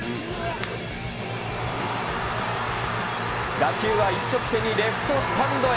打球は一直線にレフトスタンドへ。